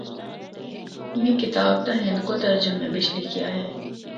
میں کتاب دا ہندکو ترجمے بچ لکھیا ہے۔